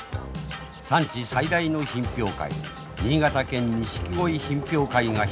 産地最大の品評会新潟県錦鯉品評会が開かれました。